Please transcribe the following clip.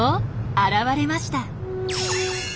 現れました。